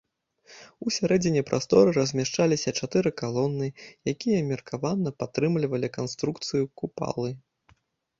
Усярэдзіне прасторы размяшчаліся чатыры калоны, якія меркавана падтрымлівалі канструкцыю купалы.